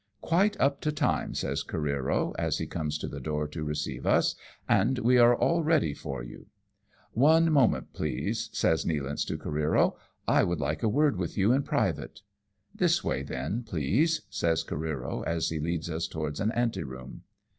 " Quite up to time," says Careero, as he comes to the door to receive us, " and we are all ready for you." "Onemomentj please," says Nealance to Careero, "I ■would like a word with you in private." " This way then, please," says Careero as he leads us towards an ante room.